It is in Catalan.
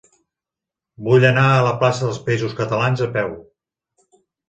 Vull anar a la plaça dels Països Catalans a peu.